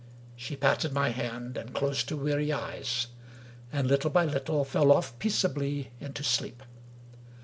She patted my hand, and closed her weary eyes, and, little by little, fell off peaceably into sleep.